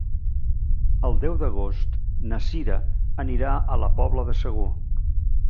El deu d'agost na Cira anirà a la Pobla de Segur.